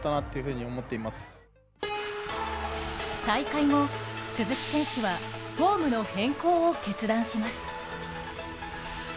大会後、鈴木選手はフォームの変更を決断します。